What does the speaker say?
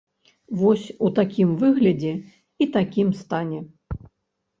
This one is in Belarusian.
Вось у такім выглядзе і такім стане.